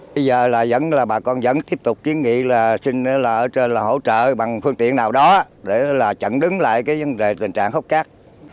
bây giờ là bà con vẫn tiếp tục kiến nghị là hỗ trợ bằng phương tiện nào đó để là chẳng đứng lại cái tình trạng hốc cát